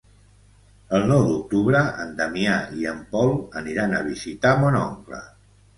El nou d'octubre en Damià i en Pol aniran a visitar mon oncle.